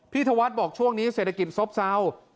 พี่ธวัดบอกช่วงนี้เศรษฐกิจโซ่บเซ้า